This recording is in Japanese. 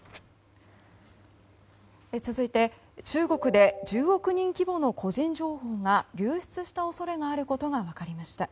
続いて、中国で１０億人規模の個人情報が流出した恐れがあることが分かりました。